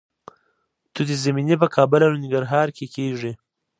توت زمینی په کابل او ننګرهار کې کیږي.